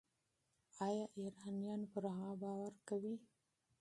ایا ایرانیان پر هغه باور کوي؟